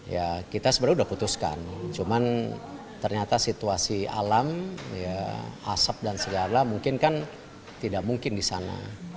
ya kita sebenarnya sudah putuskan cuman ternyata situasi alam asap dan segala mungkin kan tidak mungkin di sana